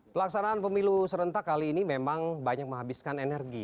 pelaksanaan pemilu serentak kali ini memang banyak menghabiskan energi